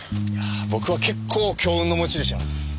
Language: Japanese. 僕は結構強運の持ち主なんです。